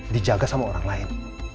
dijaga sama orang lain